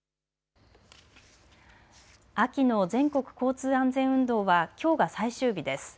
秋の全国交通安全運動はきょうが最終日です。